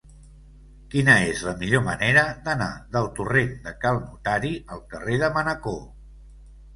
Quina és la millor manera d'anar del torrent de Cal Notari al carrer de Manacor?